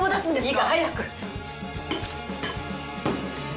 いいから早く！